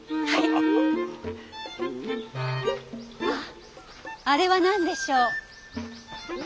あっあれは何でしょう？